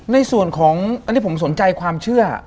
ในส่วนของอันนี้ผมสนใจความเชื่อ